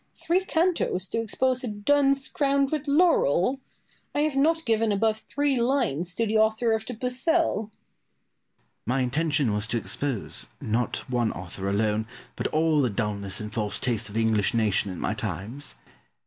Three cantos to expose a dunce crowned with laurel! I have not given above three lines to the author of the "Pucelle." Pope. My intention was to expose, not one author alone, but all the dulness and false taste of the English nation in my times.